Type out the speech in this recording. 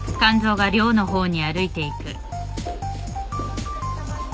お疲れさまです。